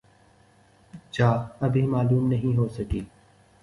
جہ ابھی معلوم نہیں ہو سکی